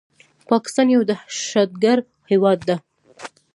پاکستان يو دهشتګرد هيواد ده